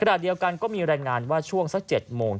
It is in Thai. ขณะเดียวกันก็มีรายงานว่าช่วงสัก๗โมง